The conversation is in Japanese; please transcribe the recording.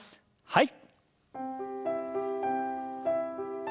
はい。